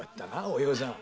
お葉さん。